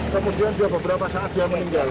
kemudian dia beberapa saat dia meninggal